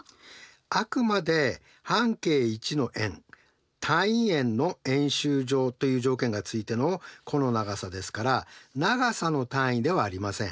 あくまで半径１の円単位円の円周上という条件がついての弧の長さですから長さの単位ではありません。